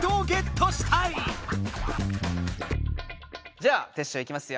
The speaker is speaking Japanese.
じゃあテッショウいきますよ。